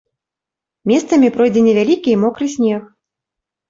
Месцамі пройдзе невялікі і мокры снег.